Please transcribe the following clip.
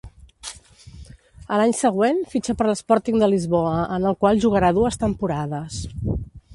A l'any següent, fitxa per l'Sporting de Lisboa en el qual jugarà dues temporades.